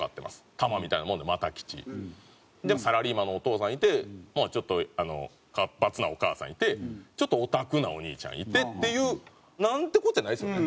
タマみたいなもんで又吉。でサラリーマンのお父さんいてちょっと活発なお母さんいてちょっとオタクなお兄ちゃんいてっていう。なんてこっちゃないですよね。